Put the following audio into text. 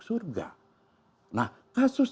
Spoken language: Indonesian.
surga nah kasus